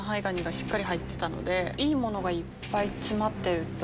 ガニしっかり入ってたのでいいものがいっぱい詰まってる。